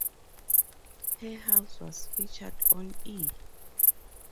Her house was featured on E!